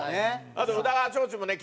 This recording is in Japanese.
あと宇田川投手もね